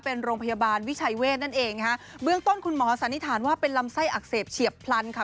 เป็นโรงพยาบาลวิชัยเวทนั่นเองนะฮะเบื้องต้นคุณหมอสันนิษฐานว่าเป็นลำไส้อักเสบเฉียบพลันค่ะ